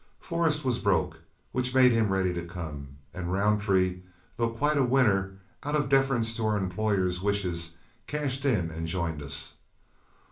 Forrest was broke, which made him ready to come, and Roundtree, though quite a winner, out of deference to our employer's wishes, cashed in and joined us.